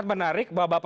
tidak bisa kabur